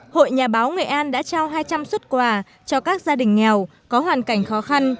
hội nhà báo nghệ an đã trao hai trăm linh xuất quà cho các gia đình nghèo có hoàn cảnh khó khăn